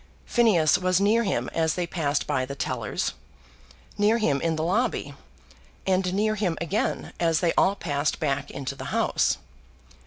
Phineas was near him as they passed by the tellers, near him in the lobby, and near him again as they all passed back into the House.